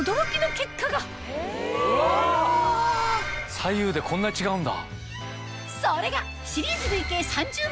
左右でこんなに違うんだ。